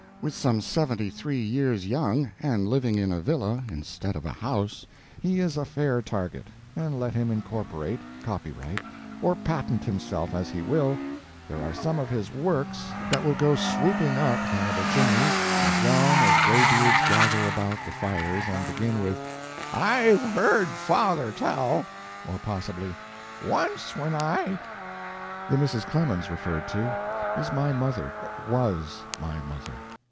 With some seventy three years young and living in a villa instead of a house, he is a fair target, and let him incorporate, copyright, or patent himself as he will, there are some of his "works" that will go swooping up Hannibal chimneys as long as graybeards gather about the fires and begin with, "I've heard father tell," or possibly, "Once when I." The Mrs. Clemens referred to is my mother—was my mother.